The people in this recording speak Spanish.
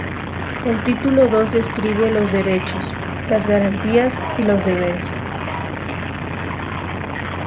El Título Dos describe los derechos, las garantías y los deberes.